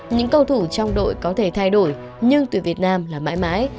những cầu thủ trong đội có thể thay đổi nhưng tuyển việt nam là mãi mãi